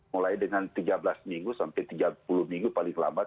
mulai dengan tiga belas minggu sampai tiga puluh minggu paling lambat